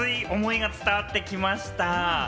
熱い思いが伝わってきました。